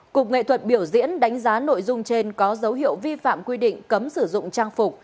cục nghệ thuật biểu diễn đánh giá nội dung trên có dấu hiệu vi phạm quy định cấm sử dụng trang phục